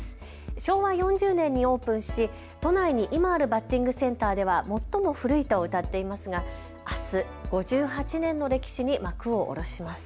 昭和４０年にオープンし都内に今あるバッティングセンターでは最も古いとうたっていますがあす、５８年の歴史に幕を下ろします。